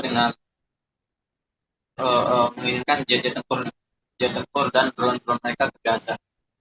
dengan menginginkan jajat tempur dan drone drone mereka kebiasaan